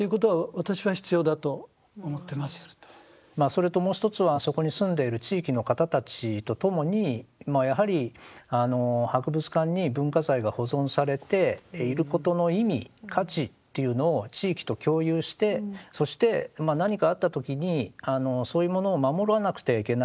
それともう一つはそこに住んでいる地域の方たちと共にやはり博物館に文化財が保存されていることの意味価値っていうのを地域と共有してそして何かあった時にそういうものを守らなくてはいけない。